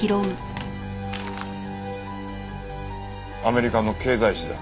アメリカの経済誌だ。